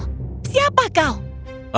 aku tidak akan mencarimu